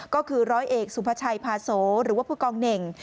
ก็คือร้อยเอกสุพชัยพาโสก็คือผู้กองเหน่ง